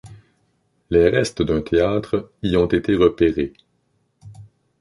Les restes d'un théâtre y ont été repérés.